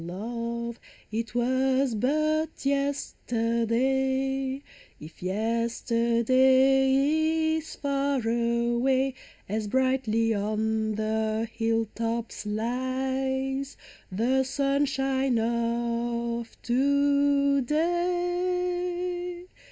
O love, it was but yesterday ! If yesterday is far away. As brightly on the hill tops lies The sunshine of to day.